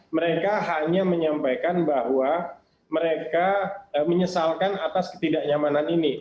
mereka hanya menyampaikan bahwa mereka menyesalkan atas ketidaknyamanan ini